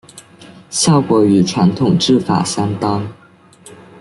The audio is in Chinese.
效果与传统制法相当。